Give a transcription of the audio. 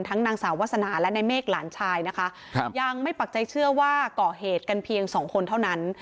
นางสาววาสนาและในเมฆหลานชายนะคะครับยังไม่ปักใจเชื่อว่าก่อเหตุกันเพียงสองคนเท่านั้น